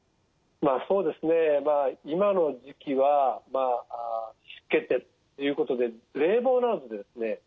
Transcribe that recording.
そうですね今の時期は湿気てるということで冷房などでですね